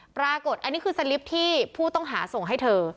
ปรากฏอันนี้คือสลิปที่ผู้ต้องหาส่งให้เธอ